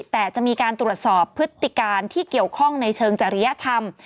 แต่จะมีการตรวจสอบพฤติการที่เกี่ยวข้องในเชิงจริยธรรม